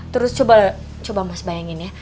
terus coba mas bayangin ya